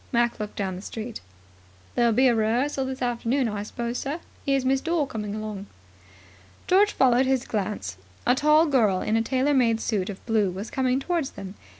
Mac looked down the street. "There'll be a rehearsal this afternoon, I suppose, sir? Here's Miss Dore coming along." George followed his glance. A tall girl in a tailor made suit of blue was coming towards them.